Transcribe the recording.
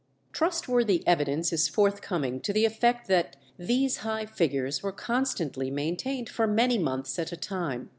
Trustworthy evidence is forthcoming to the effect that these high figures were constantly maintained for many months at a time.